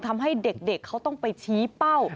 ทำให้เด็กเขาต้องไปชี้เป้า